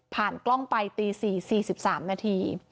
กล้องไปตี๔๔๓นาที